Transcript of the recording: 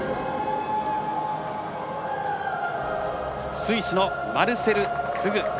スイスのマルセル・フグ。